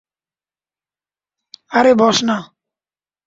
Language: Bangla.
আরে বস না!